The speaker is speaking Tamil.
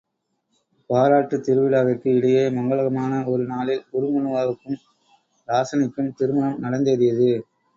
பாராட்டுத் திருவிழாவிற்கு இடையே மங்கலமான ஒரு நாளில் உருமண்ணுவாவுக்கும் இராசனைக்கும் திருமணம் நடந்தேறியது.